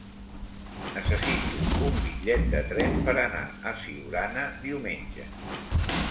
Necessito un bitllet de tren per anar a Siurana diumenge.